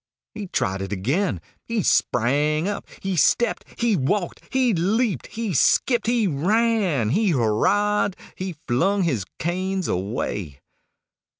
He tried it again; he sprang up; he stepped; he walked; he leaped; he skipped; he ran; he hurrahed; he flung his canes away.